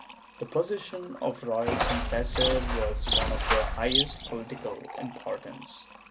^ The position of royal confessor was one of the highest political importance.